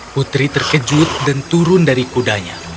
putri terkejut dan turun dari kudanya